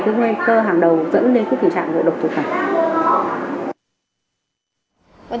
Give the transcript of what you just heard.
một cái tờ ăn để thưởng cho công học tập của các con